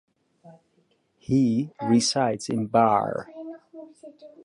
He resides in Baar.